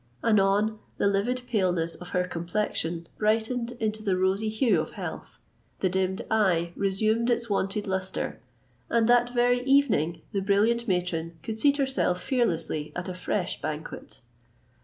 Anon, the livid paleness of her complexion brightened into the rosy hue of health, the dimmed eye resumed its wonted lustre, and that very evening the brilliant matron could seat herself fearlessly at a fresh banquet.